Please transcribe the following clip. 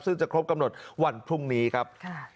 ซึ่งจะครบกำหนดวันพรุ่งนี้ครับ